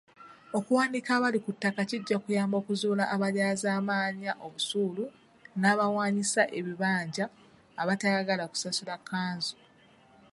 Okuwandiika abali ku ttaka kijja kuyamba okuzuula abalyazaamaanya obusuulu n'abawaanyisa ebibanja abatayagala kusasula kkanzu.